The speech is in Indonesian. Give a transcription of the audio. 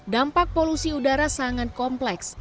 dampak polusi udara sangat kompleks